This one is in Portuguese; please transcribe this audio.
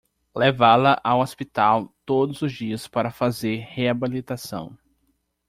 Levá-la ao hospital todos os dias para fazer reabilitação